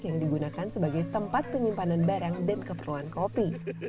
yang digunakan sebagai tempat penyimpanan barang dan keperluan kopi